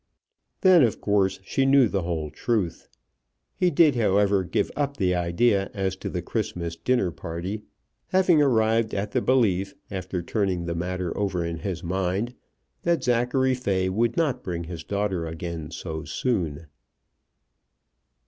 Then of course she knew the whole truth. He did, however, give up the idea as to the Christmas dinner party, having arrived at the belief, after turning the matter over in his mind, that Zachary Fay would not bring his daughter again so soon.